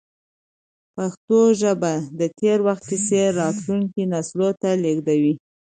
پښتو ژبه د تېر وخت کیسې راتلونکو نسلونو ته لېږدوي.